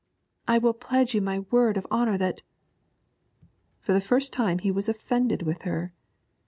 I will pledge you my word of honour that ' For the first time he was offended with her.